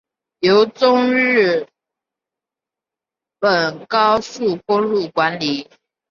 由中日本高速公路管理。